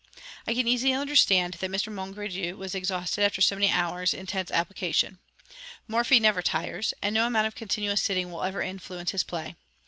I can easily understand that Mr. Mongredieu was exhausted after so many hours' intense application; Morphy never tires, and no amount of continuous sitting will ever influence his play.